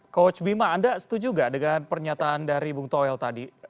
coach bima anda setuju nggak dengan pernyataan dari bung toel tadi